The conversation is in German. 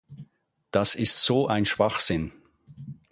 Das ist so ein Schwachsinn!